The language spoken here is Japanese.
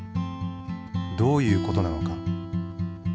どういう事なのか？